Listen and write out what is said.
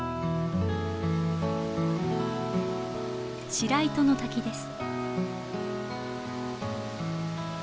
白糸の滝です。